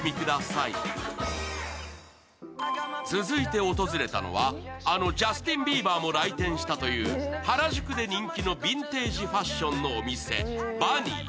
続いて訪れたのは、あのジャスティン・ビーバーも来店したという原宿で人気のビンテージファッションのお店、Ｂａｎｎｙ。